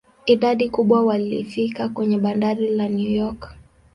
Idadi kubwa walifika kwenye bandari la New York.